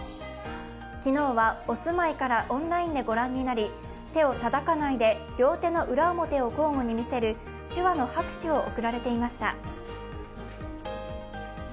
昨日はお住まいからオンラインで御覧になり、手をたたかないで両手の裏表を交互に見せる手話の拍手を送られていました。